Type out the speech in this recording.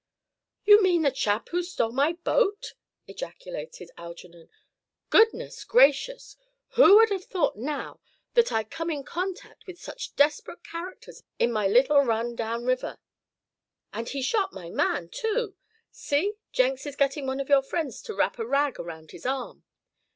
"You mean the chap who stole my boat?" ejaculated Algernon, "goodness gracious! who would have thought now, that I'd come in contact with such desperate characters in my little run down river. And he shot my man, too; see, Jenks is getting one of your friends, to wrap a rag around his arm.